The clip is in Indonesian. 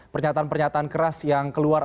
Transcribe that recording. pernyataan pernyataan keras yang keluar